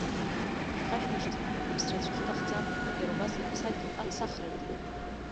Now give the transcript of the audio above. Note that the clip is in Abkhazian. Ишәхашәмыршҭын аԥсра аӡәгьы иҭахӡам, иара убас аԥсадгьыл аԥсахрагьы.